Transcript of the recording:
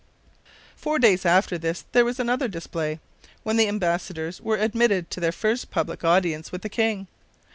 Four days after this there was another display, when the embassadors were admitted to their first public audience with the king.